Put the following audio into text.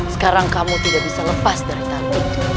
sekarang kamu tidak bisa lepas dari tangan itu